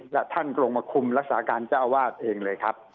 และท่านลงมาคุมรักษาการเจ้าอาวาสเองเลยครับ